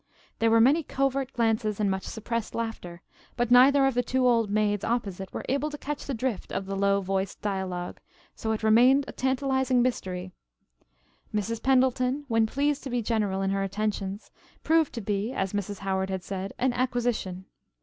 There were many covert glances and much suppressed laughter, but neither of the two old maids opposite were able to catch the drift of the low voiced dialogue, so it remained a tantalizing mystery. Mrs. Pendleton, when pleased to be general in her attentions, proved to be, as Mrs. Howard had said, "an acquisition."